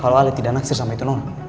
kalo alih tidak naksir sama itu nona